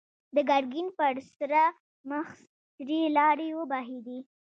د ګرګين پر سره مخ سرې لاړې وبهېدې.